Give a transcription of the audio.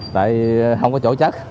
tại không có chỗ chắc